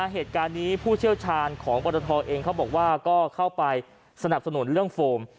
เหตุการณ์นี้ผู้เชี่ยวชาญของปรทเองเขาบอกว่าก็เข้าไปสนับสนุนเรื่องโฟม